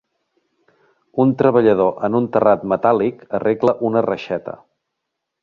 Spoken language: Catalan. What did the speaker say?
Un treballador en un terrat metàl·lic arregla una reixeta